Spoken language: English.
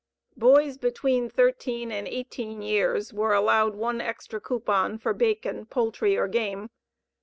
Boys between 13 and 18 years were allowed 1 extra coupon for bacon, poultry, or game.